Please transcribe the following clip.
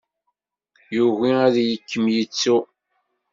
Yugi ad kem-yettu.